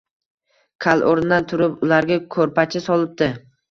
Kal o‘rnidan turib ularga ko‘rpacha solibdi